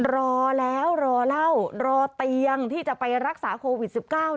รอแล้วรอเล่ารอเตียงที่จะไปรักษาโควิด๑๙